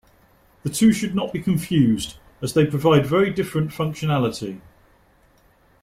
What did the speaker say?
The two should not be confused as they provide very different functionality.